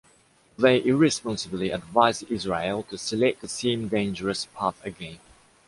They irresponsibly advise Israel to select the same dangerous path again.